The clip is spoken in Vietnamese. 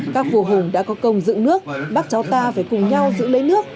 các vua hùng đã có công dựng nước bác cháu ta phải cùng nhau giữ lấy nước